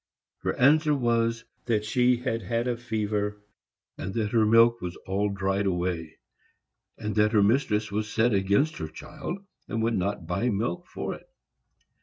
Her answer was that she had had a fever, and that her milk was all dried away; and that her mistress was set against her child, and would not buy milk for it.